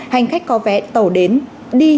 hành khách có vé tàu đến đi